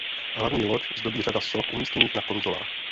Hlavní loď zdobí řada soch umístěných na konzolách.